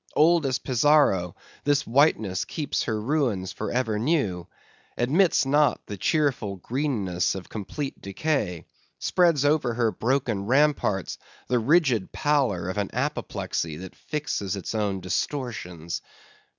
Old as Pizarro, this whiteness keeps her ruins for ever new; admits not the cheerful greenness of complete decay; spreads over her broken ramparts the rigid pallor of an apoplexy that fixes its own distortions.